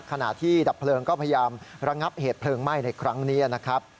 ขณะที่ดับเพลิงก็พยายามระงับเหตุเพลิงไหม้ในครั้งนี้นะครับ